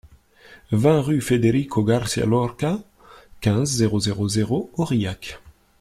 vingt rue Federico Garcia Lorca, quinze, zéro zéro zéro, Aurillac